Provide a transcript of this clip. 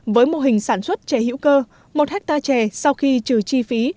với mô hình sản xuất trẻ hữu cơ một hectare trẻ sau khi trừ chi phí